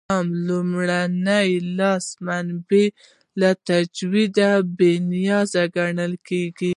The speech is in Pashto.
د اسلام لومړي لاس منابع له تجدیده بې نیازه ګڼي.